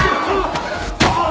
あっ。